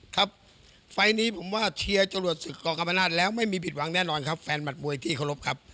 ครับไฟล์นี้ผมว่าเชียร์จรวดศึกกรกรรมนาศแล้วไม่มีผิดหวังแน่นอนครับแฟนหมัดมวยที่เคารพครับ